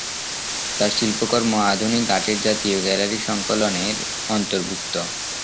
তাঁর শিল্পকর্ম আধুনিক আর্টের জাতীয় গ্যালারী সংকলনের অন্তর্ভুক্ত।